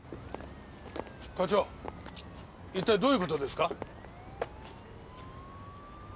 課長一体どういうことですか？